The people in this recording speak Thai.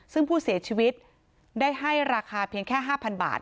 ซึ่งผู้เสียชีวิตได้ให้ราคาเพียงแค่๕๐๐บาท